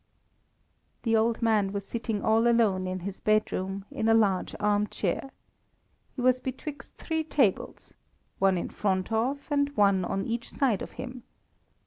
The old man was sitting all alone in his bedroom, in a large armchair. He was betwixt three tables, one in front of and one on each side of him.